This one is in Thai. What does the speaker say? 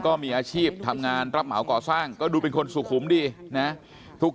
ก็มีอาชีพทำงานรับเหมาก่อสร้างก็ดูเป็นคนสุขุมดีนะ